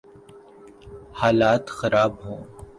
حالات خراب ہوں۔